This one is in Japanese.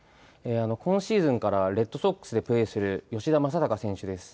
今シーズンからレッドソックスでプレーする吉田正尚選手です。